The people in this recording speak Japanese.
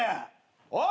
・おい